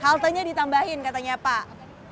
haltanya ditambahin katanya pak